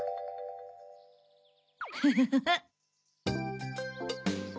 フフフフ。